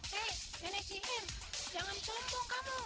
hei nenek cimim jangan campur kamu